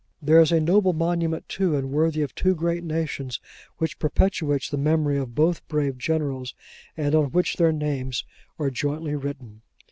That is a noble Monument too, and worthy of two great nations, which perpetuates the memory of both brave generals, and on which their names are jointly written.